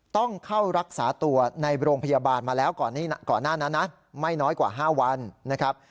ต้องเข้ารักษาตัวในโรงพยาบาลมาแล้วก่อนหน้านั้นนะไม่น้อยกว่า๕วันนะครับ